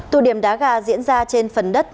tụ điểm đá gà diễn ra trên phần đất